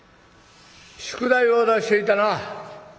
宿題を出していたな。